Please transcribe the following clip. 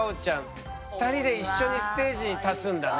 ２人で一緒にステージに立つんだね。